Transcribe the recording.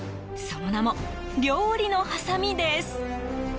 その名も料理のハサミです。